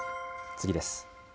次です。